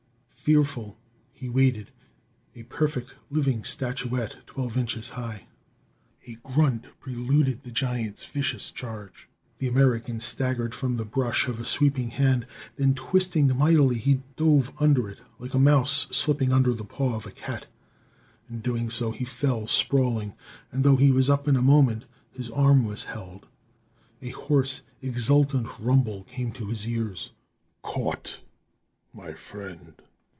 Fearful, he waited, a perfect, living statuette, twelve inches high.... A grunt preluded the giant's vicious charge. The American staggered from the brush of a sweeping hand; then, twisting mightily, he dove under it, like a mouse slipping under the paw of a cat. In doing so he fell sprawling; and though he was up in a moment, his arm was held. A hoarse, exultant rumble came to his ears. "Caught, my friend!"